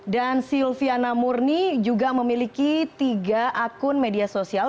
dan silviana murni juga memiliki tiga akun media sosial